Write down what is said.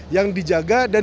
yang dijaga dan dipanjakan